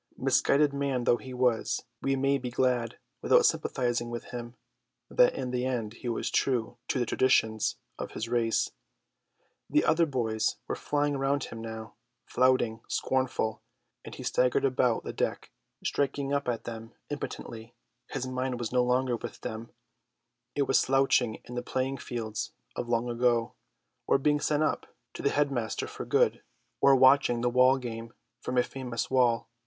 Misguided man though he was, we may be glad, without sympathising with him, that in the end he was true to the traditions of his race. The other boys were flying around him now, flouting, scornful; and he staggered about the deck striking up at them impotently, his mind was no longer with them; it was slouching in the playing fields of long ago, or being sent up for good, or watching the wall game from a famous wall.